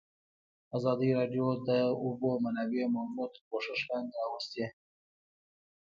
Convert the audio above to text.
ازادي راډیو د د اوبو منابع موضوع تر پوښښ لاندې راوستې.